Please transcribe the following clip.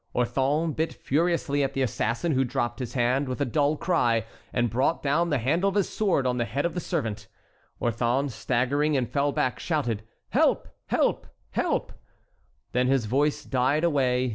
Orthon bit furiously at the assassin, who dropped his hand with a dull cry, and brought down the handle of his sword on the head of the servant. Orthon staggered and fell back, shouting, "Help! help! help!" Then his voice died away.